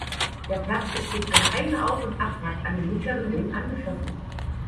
Der Platz ist durch eine eigene Auf- und Abfahrt an den Mittleren Ring angeschlossen.